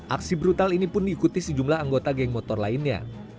aksi brutal ini pun diikuti sejumlah anggota geng motor lainnya